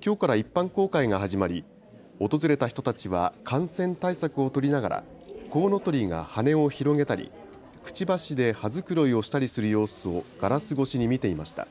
きょうから一般公開が始まり訪れた人たちは感染対策を取りながらコウノトリが羽を広げたりくちばしで羽繕いをしたりする様子をガラス越しに見ていました。